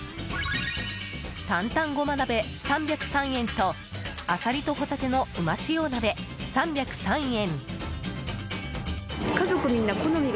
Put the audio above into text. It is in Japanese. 担々ごま鍋、３０３円とあさりとホタテの旨塩鍋３０３円。